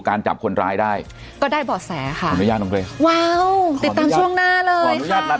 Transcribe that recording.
การจับคนรายได้ก็ได้บอดแสกานใหญ่บอกตามช่องหน้าเลยแล้ว